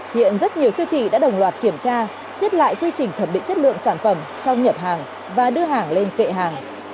hiện rất nhiều siêu thị đã đồng loạt kiểm tra xiết lại quy trình thẩm định chất lượng sản phẩm trong nhập hàng và đưa hàng lên kệ hàng